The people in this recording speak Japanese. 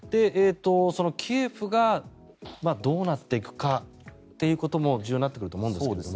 キエフがどうなっていくかということも重要になってくると思うんですが。